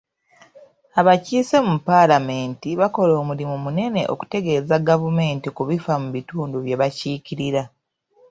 Abakiise mu paalamenti bakola omulimu munene okutegeeza gavumenti ku bifa mu bitundu bye bakiikirira.